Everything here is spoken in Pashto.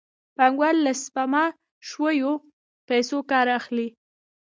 پانګوال له سپما شویو پیسو کار اخلي